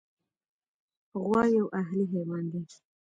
غوا یو اهلي حیوان دی.